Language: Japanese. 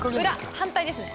反対ですね。